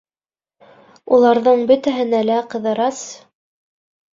Уларҙың бөтәһенә лә Ҡыҙырас: